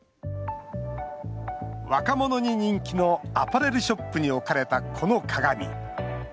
若者に人気のアパレルショップに置かれたこの鏡。